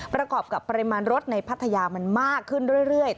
ประกอบกับปริมาณรถในพัทยามันมากขึ้นเรื่อย